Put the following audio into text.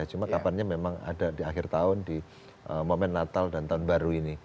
cuma kapannya memang ada di akhir tahun di momen natal dan tahun baru ini